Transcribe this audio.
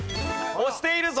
押しているぞ！